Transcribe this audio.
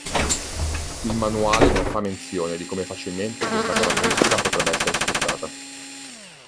Il manuale non fa menzione di come facilmente questa caratteristica potrebbe essere sfruttata.